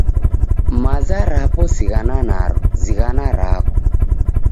Maza rapo sighana naro zighana rako.